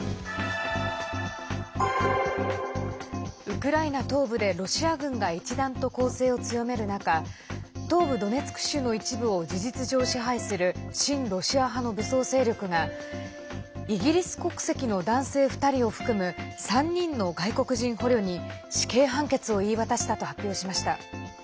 ウクライナ東部でロシア軍が一段と攻勢を強める中東部ドネツク州の一部を事実上支配する親ロシア派の武装勢力がイギリス国籍の男性２人を含む３人の外国人捕虜に死刑判決を言い渡したと発表しました。